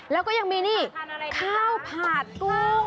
แล้วก็ยังมีนี่ข้าวผาดกุ้ง